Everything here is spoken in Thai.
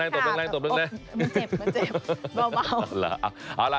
เจ็บเจ็บเบา